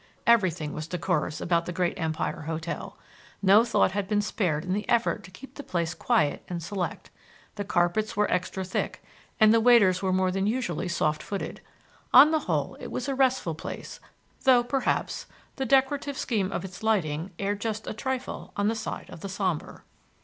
Everything was decorous about the Great Empire Hotel. No thought had been spared in the effort to keep the place quiet and select. The carpets were extra thick, and the waiters more than usually soft footed. On the whole, it was a restful place, though, perhaps, the decorative scheme of its lighting erred just a trifle on the side of the sombre.